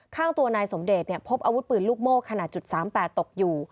ข้างตัวนายสมเดชพบอาวุธปืนลูกโม่ขนาด๓๘ตกอยู่